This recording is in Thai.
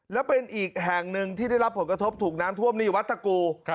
และเป็นอีกแห่งหนึ่งที่ได้รับผลคศพถูกน้ำท่วมนี้วัสดรกู